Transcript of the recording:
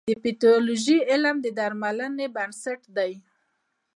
د پیتالوژي علم د درملنې بنسټ دی.